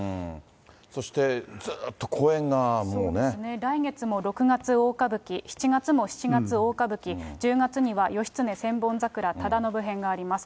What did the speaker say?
そして、そうですね、来月も六月大歌舞伎、７月も七月大歌舞伎、１０月には義経千本桜忠信編があります。